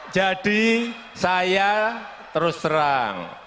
jadi saya terus terang